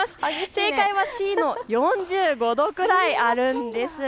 正解はＣの４５度ぐらいあるんです。